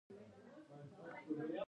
اب ایستاده مرغان څه وخت راځي؟